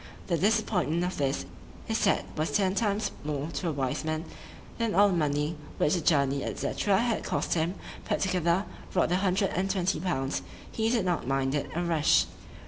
"The disappointment of this, he said, was ten times more to a wise man, than all the money which the journey, &c. had cost him, put together,—rot the hundred and twenty pounds,——he did not mind it a rush."